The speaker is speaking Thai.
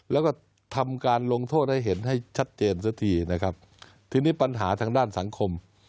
แล้วก็ทำการลงโทษให้เห็นให้ชัดเจนสักทีนะครับทีนี้ปัญหาทางด้านสังคม